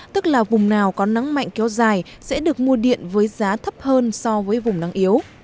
tức là vùng nào có nắng mạnh kéo dài sẽ được mua điện với giá thấp hơn so với vùng nắng yếu